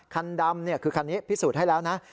คันดำคือคันนี้พิสูจน์ให้แล้วนะ